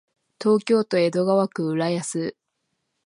東京都江戸川区浦安